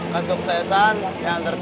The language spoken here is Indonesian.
kesuksesan yang tertunda